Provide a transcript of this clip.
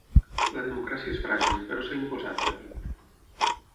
La democràcia és fràgil, però s’ha imposat, ha dit.